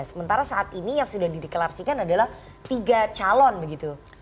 sementara saat ini yang sudah dideklarasikan adalah tiga calon begitu